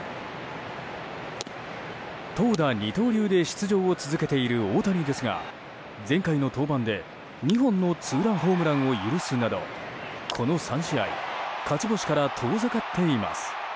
投打二刀流で出場を続けている大谷ですが前回の登板で２本のツーランホームランを許すなどこの３試合勝ち星から遠ざかっています。